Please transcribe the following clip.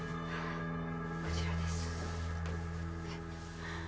こちらです